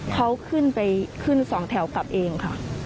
เขาขึ้นไปขึ้นสองแถวกลับเองค่ะ